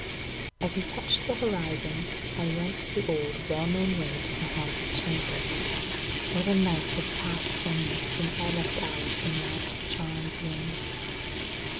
As he touched the horizon, I went the old, well known way to the haunted chamber. What a night had passed for me since I left Alice in that charmed room!